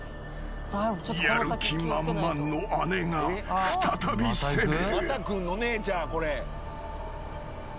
［やる気満々の姉が再び攻める］